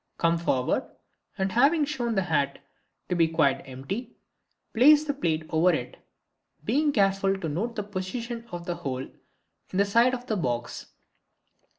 Come forward, and having shown the hat to be quite empty, place the plate over it, being careful to note the position of the hole in the side of the box.